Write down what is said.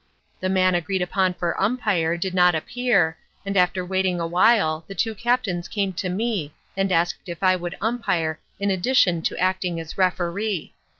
The man agreed upon for Umpire, did not appear, and after waiting a while the two captains came to me and asked if I would umpire in addition to acting as referee.